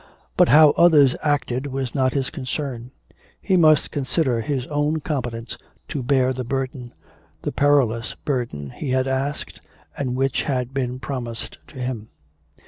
But how others acted was not his concern; he must consider his own competence to bear the burden the perilous burden he had asked, and which had been promised to him.